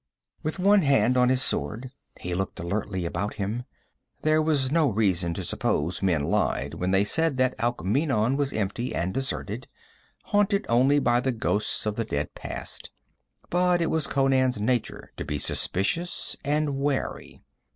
With one hand on his sword, he looked alertly about him. There was no reason to suppose men lied when they said that Alkmeenon was empty and deserted, haunted only by the ghosts of the dead past. But it was Conan's nature to be suspicious and wary.